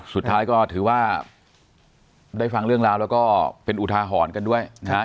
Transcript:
สุดท้ายก็ถือว่าได้ฟังเรื่องราวแล้วก็เป็นอุทาหรณ์กันด้วยนะครับ